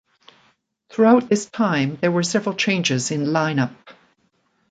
Throughout this time there were several changes in line-up.